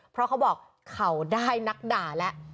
เพราะเขาบอกเขาได้นักด่าแล้ว